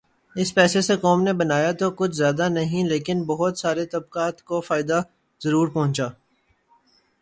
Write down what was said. اس پیسے سے قوم نے بنایا تو کچھ زیادہ نہیں لیکن بہت سارے طبقات کو فائدہ ضرور پہنچا۔